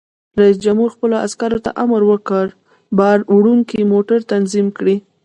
رئیس جمهور خپلو عسکرو ته امر وکړ؛ بار وړونکي موټر منظم کړئ!